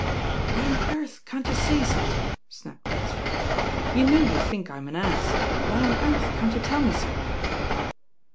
"Why on earth can't you say something?" snapped ^ THE EAIN GIRL Bcretford "You know you think Vm an ass. why on earth can't you tell me so